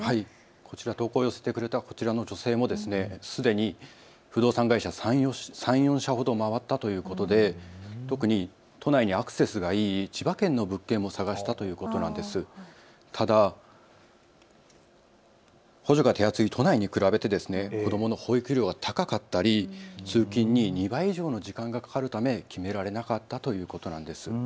こちら、投稿を寄せてくれたこちらの女性もすでに不動産会社３、４社ほど回ったということで特に都内にアクセスがいい千葉県の物件を探したということなんですが、ただ補助が手厚い都内に比べて子どもの保育料が高かったり通勤に２倍以上の時間がかかるため決められなかったということなんです。